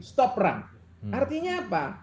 stop perang artinya apa